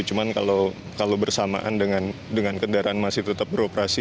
cuma kalau bersamaan dengan kendaraan masih tetap beroperasi